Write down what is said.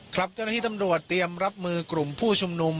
ครับเจ้าหน้าที่ตำรวจเตรียมรับมือกลุ่มผู้ชุมนุม